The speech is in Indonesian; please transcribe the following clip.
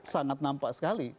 sangat nampak sekali